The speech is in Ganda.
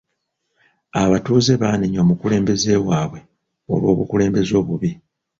Abatuuze baanenya omukulembeze waabwe olw'obukulembeze obubi.